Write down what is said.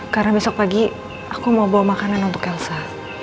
karena besok pagi aku mau bawa makanan untuk elsa